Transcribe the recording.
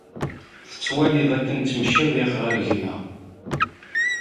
Tettwaliḍ dakken ttemcabiɣ ɣer gma?